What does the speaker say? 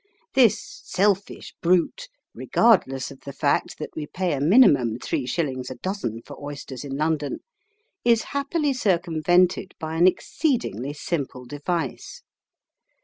This selfish brute, regardless of the fact that we pay a minimum three shillings a dozen for oysters in London, is happily circumvented by an exceedingly simple device.